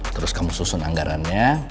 terus kamu susun anggarannya